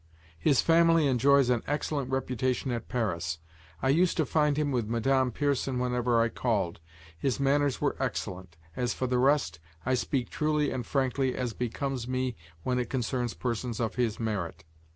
His family enjoys an excellent reputation at Paris; I used to find him with Madame Pierson whenever I called; his manners were excellent. As for the rest, I speak truly and frankly, as becomes me when it concerns persons of his merit.